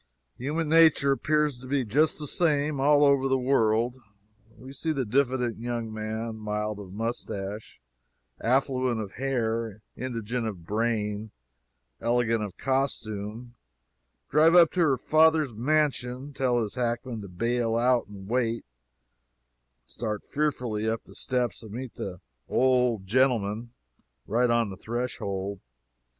Human nature appears to be just the same, all over the world. We see the diffident young man, mild of moustache, affluent of hair, indigent of brain, elegant of costume, drive up to her father's mansion, tell his hackman to bail out and wait, start fearfully up the steps and meet "the old gentleman" right on the threshold!